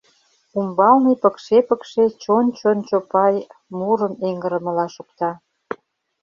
Умбалне пыкше-пыкше «чон-чон Чопай» мурым эҥырымыла шокта.